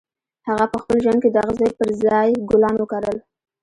هغه په خپل ژوند کې د اغزیو پر ځای ګلان وکرل